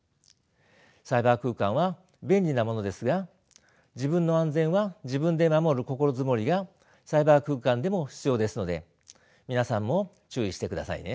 サイバー空間は便利なものですが自分の安全は自分で守る心づもりがサイバー空間でも必要ですので皆さんも注意してくださいね。